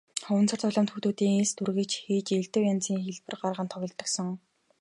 Хуванцар тоглоомд хүүхдүүд элс дүүргэн хийж элдэв янзын хэлбэр гарган тоглодог сон.